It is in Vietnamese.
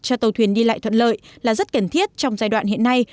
cho tàu thuyền đi lại thuận lợi là rất cần thiết trong giai đoạn hiện nay